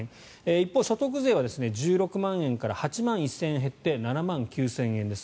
一方、所得税は１６万円から８万１０００円減って７万９０００円です。